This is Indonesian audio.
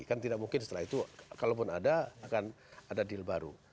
kan tidak mungkin setelah itu kalaupun ada akan ada deal baru